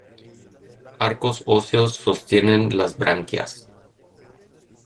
Arcos óseos sostienen las branquias.